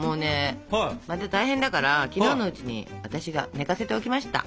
また大変だから昨日のうちに私が寝かせておきました。